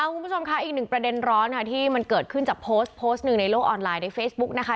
คุณผู้ชมค่ะอีกหนึ่งประเด็นร้อนค่ะที่มันเกิดขึ้นจากโพสต์โพสต์หนึ่งในโลกออนไลน์ในเฟซบุ๊กนะคะ